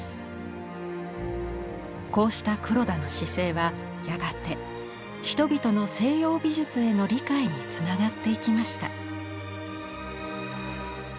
こうした黒田の姿勢はやがて人々の西洋美術への理解につながっていきました。